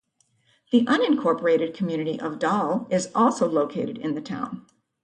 The unincorporated community of Dahl is also located in the town.